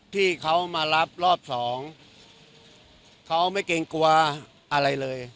ที่เขามารับรอบสองเขาไม่เกรงกลัวอะไรเลย